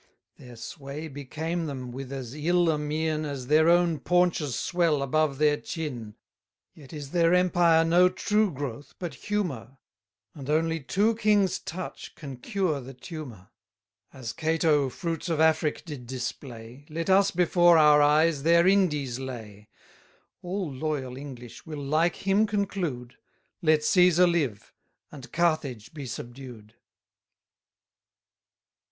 Their sway became them with as ill a mien, As their own paunches swell above their chin. Yet is their empire no true growth but humour, And only two kings' touch can cure the tumour. 40 As Cato fruits of Afric did display, Let us before our eyes their Indies lay: All loyal English will like him conclude; Let Cæsar live, and Carthage be subdued.